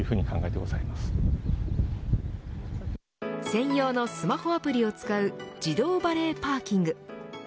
専用のスマホアプリを使う自動バレーパーキング。